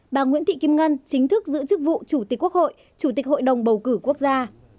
bà nguyễn thị kim ngân chính thức giữ chức vụ chủ tịch quốc hội chủ tịch hội đồng bầu cử quốc gia